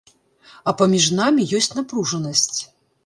А паміж намі ёсць напружанасць.